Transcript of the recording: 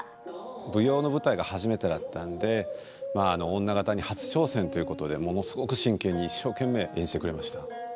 舞踊の舞台が初めてだったんでまあ女方に初挑戦ということでものすごく真剣に一生懸命演じてくれました。